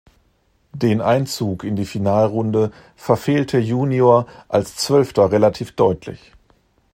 Den Einzug in die Finalrunde verfehlte Junior als Zwölfter relativ deutlich.